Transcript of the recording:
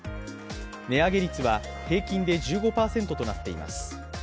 値上げ率は平均で１５％となっています。